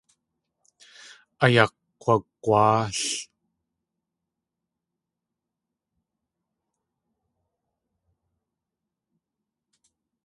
Ayakg̲wagwáal.